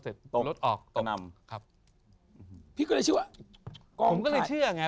เสร็จรถออกผนำครับพี่ก็เลยเชื่อว่าผมก็เลยเชื่อง่ะ